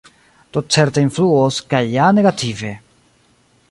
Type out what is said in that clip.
Tutcerte influos, kaj ja negative.